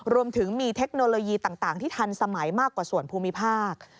รวมถึงมีเทคโนโลยีต่างที่ทันสมัยมากกว่าส่วนภูมิภาค